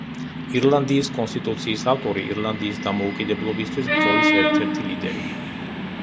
ირლანდიის კონსტიტუციის ავტორი, ირლანდიის დამოუკიდებლობისათვის ბრძოლის ერთ-ერთი ლიდერი.